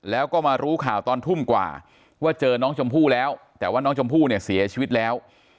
แล้วก็มารู้ข่าวตอนทุ่มกว่าว่าเจอน้องชมพู่แล้วแต่ว่าน้องชมพู่เนี่ยเสียชีวิตแล้ว